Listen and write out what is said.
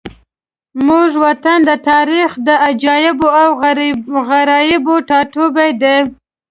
زموږ وطن د تاریخ د عجایبو او غرایبو ټاټوبی دی.